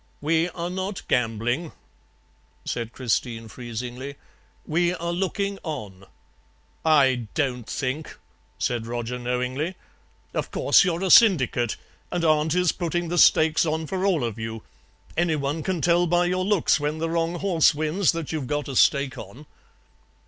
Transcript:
"'We are not gambling,' said Christine freezingly; 'we are looking on.' "'I DON'T think,' said Roger knowingly; 'of course you're a syndicate and aunt is putting the stakes on for all of you. Anyone can tell by your looks when the wrong horse wins that you've got a stake on.'